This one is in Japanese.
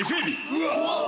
うわっ！